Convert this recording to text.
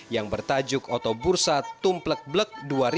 yang bertajuk otobursa tumplek blek dua ribu enam belas